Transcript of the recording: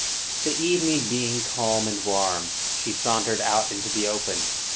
The evening being calm and warm, she sauntered out into the open.